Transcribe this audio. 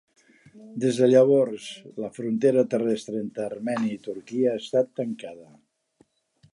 Des de llavors la frontera terrestre entre Armènia i Turquia ha estat tancada.